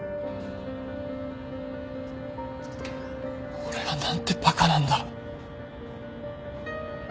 俺はなんてバカなんだ。